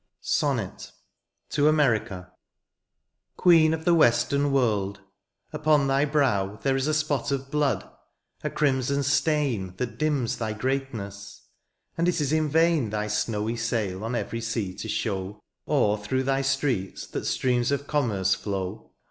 SONNET. TO AMERICA. Queen of the western world, upon thy brow There is a spot of blood, a crimson stain That dims thy greatness, — and it is in vain Thy snowy sail on every sea to show ; Or through thy streets that streams of commerce flow.